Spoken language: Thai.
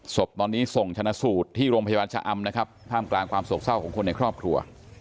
ศพตอนนี้ส่งชนะสูตรที่โรงพยาบาลชะอำนะครับท่ามกลางความโศกเศร้าของคนในครอบครัว